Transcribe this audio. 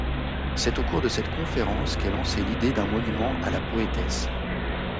C'est au cours de cette conférence qu'est lancé l'idée d'un monument à la poétesse.